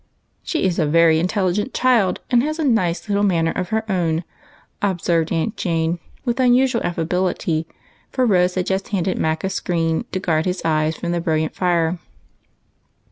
" She is a very intelligent child, and has a nice little manner of her own," observed Aunt Jane, with un usual affability ; for Rose had just handed Mac a screen to guard his eyes from the brilliant fire.